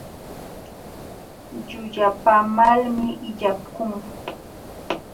Llullapaamalmi illakun.